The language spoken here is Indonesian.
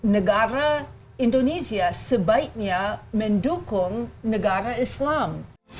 negara indonesia sebaiknya mendukung negara islam